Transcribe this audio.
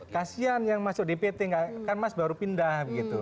kasian yang masuk dpt kan mas baru pindah